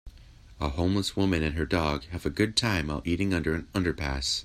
A homeless woman and her dog have a good time while eating under an underpass.